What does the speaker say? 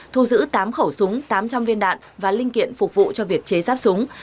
thu giữ tám khẩu súng tám trăm linh viên đạn và linh kiện phục vụ cho việc chế ráp súng